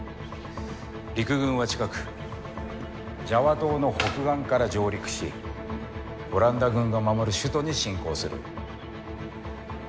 陸軍は近くジャワ島の北岸から上陸しオランダ軍が守る首都に進攻する。